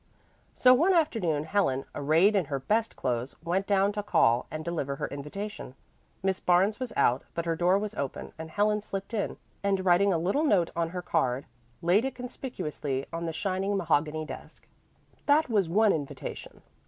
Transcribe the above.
So one afternoon Helen, arrayed in her best clothes, went down to call and deliver her invitation. Miss Barnes was out, but her door was open and Helen slipped in, and writing a little note on her card, laid it conspicuously on the shining mahogany desk. That was one invitation.